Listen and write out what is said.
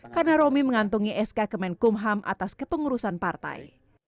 karena romi mengantungi sk kemenkumham atas kepengurusan partai